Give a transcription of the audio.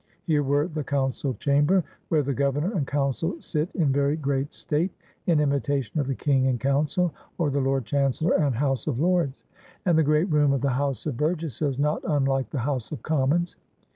Here were the Council Chamber, "where the Governor and Council sit in very great state, in imitation of the King and Coimcil, or the Lord Chancellor and House of Lords,'' and the great room of the House of Burgesses, "not unlike the House of Commons."